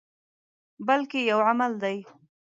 بلکې یو عمل دی.